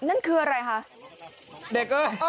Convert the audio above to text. นั่นคืออะไรคะ